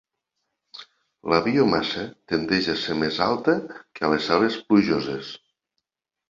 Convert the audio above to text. La biomassa tendeix a ser més alta que a les selves plujoses.